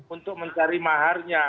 untuk mencari maharnya